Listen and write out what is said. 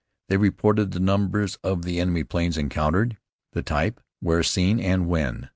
They reported the numbers of the enemy planes encountered, the types, where seen and when.